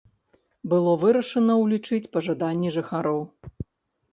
Было вырашана ўлічыць пажаданні жыхароў.